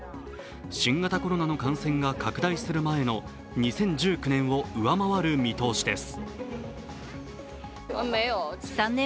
新型コロナの感染が拡大する前の２０１９年を上回る見通しです。